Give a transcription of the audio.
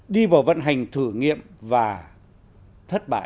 đi vào vận hành thử nghiệm và thất bại